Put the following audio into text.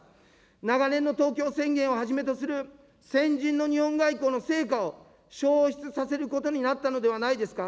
長年の東京宣言をはじめとする先人の日本外交の成果を消失させることになったのではないですか。